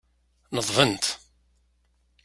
Neḍbent.